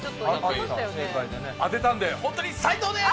当てたんで本当に斉藤です！